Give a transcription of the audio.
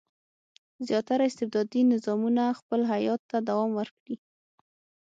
زیاتره استبدادي نظامونه خپل حیات ته دوام ورکړي.